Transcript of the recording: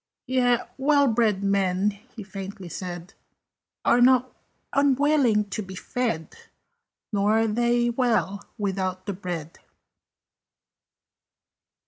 "Yet well bred men," he faintly said, "Are not unwilling to be fed: Nor are they well without the bread."